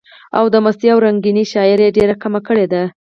او د مستۍ او رنګينۍ شاعري ئې ډېره کمه کړي ده،